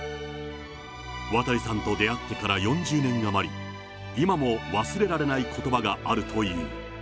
渡さんと出会ってから４０年余り、今も忘れられないことばがあるという。